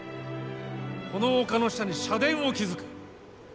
この丘の下に社殿を築く。